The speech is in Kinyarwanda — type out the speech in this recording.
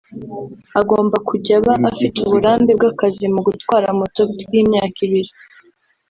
agomba kujya aba afite uburambe bw’akazi mu gutwara moto bw’imyaka ibiri